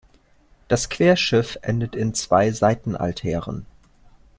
Das Querschiff endet in zwei Seitenaltären.